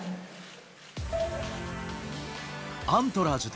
アントラージュ。